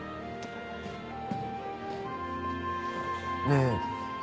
ねえ。